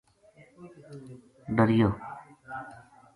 ڈریور